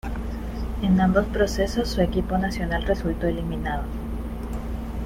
En ambos procesos, su equipo nacional resultó eliminado.